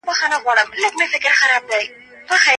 د لويي جرګې پرېکړه لیک ولي په بېلابېلو ژبو لیکل کېږي؟